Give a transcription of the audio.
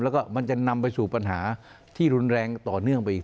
แล้วก็มันจะนำไปสู่ปัญหาที่รุนแรงต่อเนื่องไปอีก